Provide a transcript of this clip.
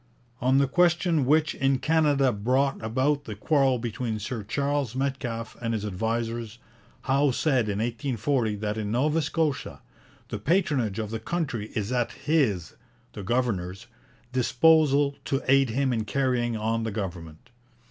On the question which in Canada brought about the quarrel between Sir Charles Metcalfe and his advisers, Howe said in 1840 that in Nova Scotia 'the patronage of the country is at his [the governor's] disposal to aid him in carrying on the government.'